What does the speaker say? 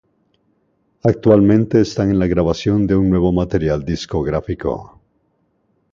Actualmente están en la grabación de un nuevo material discográfico.